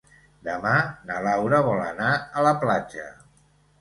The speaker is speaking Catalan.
Demà na Laura vol anar a la platja.